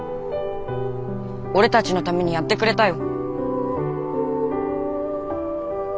俺たちのためにやってくれたよ。